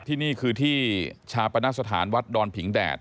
ที่นี่คือที่ชาปนสถานวัดดอนผิงแดด